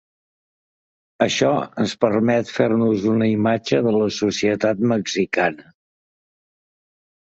Això ens permet fer-nos una imatge de la societat mexicana.